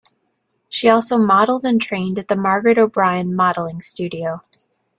She also modeled and trained at the Margaret O'Brien Modeling Studio.